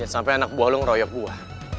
jat sampai anak buah lu ngeroyok gua